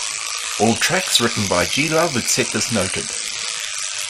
All tracks written by G. Love except as noted.